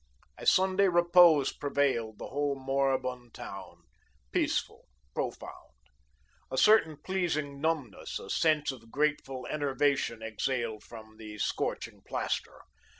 A Sunday repose prevailed the whole moribund town, peaceful, profound. A certain pleasing numbness, a sense of grateful enervation exhaled from the scorching plaster.